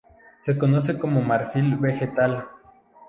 Se conoce como "marfil vegetal".